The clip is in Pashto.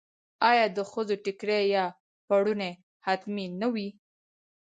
آیا د ښځو ټیکری یا پړونی حتمي نه وي؟